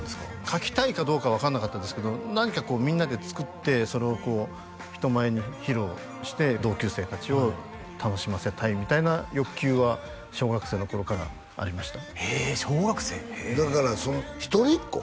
書きたいかどうか分かんなかったですけど何かみんなで作ってそれを人前に披露して同級生達を楽しませたいみたいな欲求は小学生の頃からありましたへえ小学生へえだからその一人っ子？